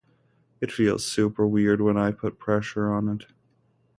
It feels super weird when I put pressure on it.